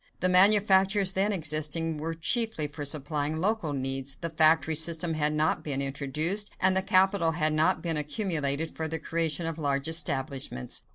The manufactures then existing were chiefly for supplying local needs, the factory system had not been introduced, and the capital had not been accumulated for the creation of large establishments.